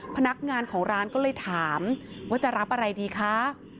พนักงานของร้านก็เลยถามว่าจะรับอะไรดีคะ